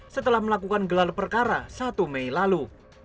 setelah melakukan gelar perkara satu mei lalu